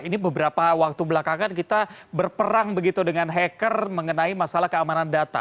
ini beberapa waktu belakangan kita berperang begitu dengan hacker mengenai masalah keamanan data